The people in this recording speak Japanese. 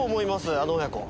あの親子。